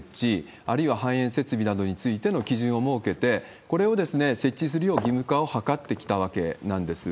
あるいは排煙設備などの基準を設けて、これを設置するよう義務化を図ってきたわけなんです。